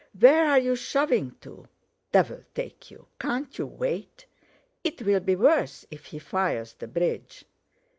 "Where are you shoving to? Devil take you! Can't you wait? It'll be worse if he fires the bridge.